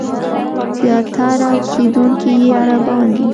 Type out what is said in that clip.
زیاتره اوسېدونکي یې عربان دي.